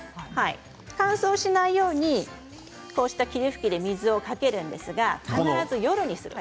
乾燥しないようにこうした霧吹きで水をかけるんですが必ず夜にする。